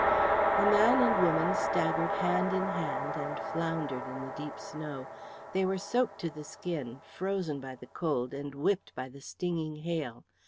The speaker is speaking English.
The man and woman staggered hand in hand and floundered in the deep snow. They were soaked to the skin, frozen by the cold, and whipped by the stinging hail.